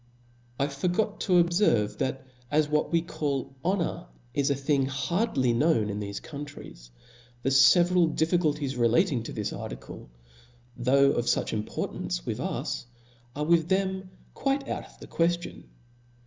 I forgot to obferve, that as what we call honor. h a thing hardly known in thofc countries, the fe veral diifeculties relating to this article, though of fuch importance with us, are with them quite out of the queftion.